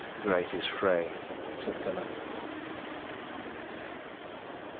"Great is Frey," said Gunnar.